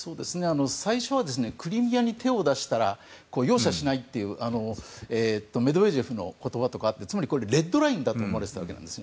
最初はクリミアに手を出したら容赦しないというメドベージェフの言葉とかあってこれはレッドラインだと思われていたわけなんです。